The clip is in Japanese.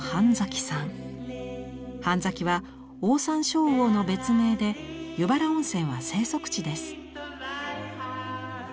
ハンザキはオオサンショウウオの別名で湯原温泉は生息地です。